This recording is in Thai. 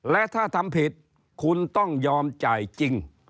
และถ้าทำผิดคุณต้องยอมจ่ายจริง